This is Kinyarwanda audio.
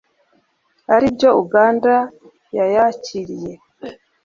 ari byo Uganda yayakiriye